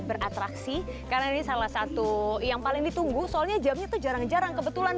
beratraksi karena ini salah satu yang paling ditunggu soalnya jamnya tuh jarang jarang kebetulan